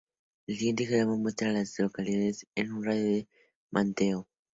El siguiente diagrama muestra a las localidades en un radio de de Manteo.